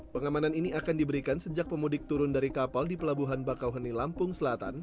pengamanan ini akan diberikan sejak pemudik turun dari kapal di pelabuhan bakauheni lampung selatan